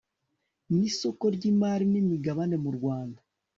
n Isoko ry imari n Imigabane mu Rwanda